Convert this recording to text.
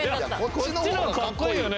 こっちの方がかっこいいよね